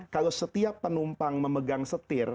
kalau setiap penumpang memegang setir